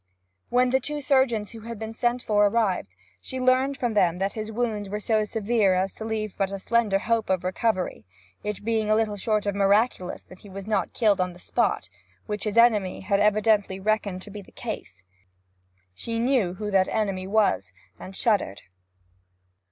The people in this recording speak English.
When the two surgeons who had been sent for arrived, she learned from them that his wounds were so severe as to leave but a slender hope of recovery, it being little short of miraculous that he was not killed on the spot, which his enemy had evidently reckoned to be the case. She knew who that enemy was, and shuddered.